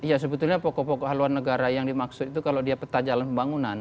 ya sebetulnya pokok pokok haluan negara yang dimaksud itu kalau dia peta jalan pembangunan